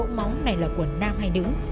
chính xác mẫu máu này là của nam hay nữ